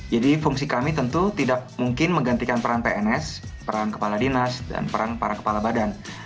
jadi fungsi kami tentu tidak mungkin menggantikan peran pns peran kepala dinas dan peran para kepala badan